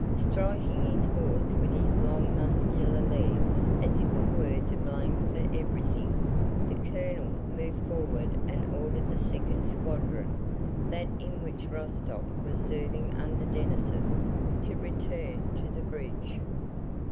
Striking his horse with his long muscular legs as if it were to blame for everything, the colonel moved forward and ordered the second squadron, that in which Rostóv was serving under Denísov, to return to the bridge.